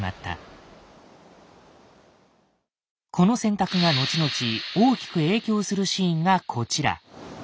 この選択が後々大きく影響するシーンがこちら。